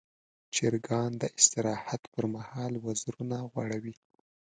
چرګان د استراحت پر مهال وزرونه غوړوي.